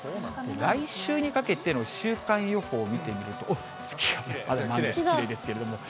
来週にかけての週間予報を見てみると、月がきれいですけれども。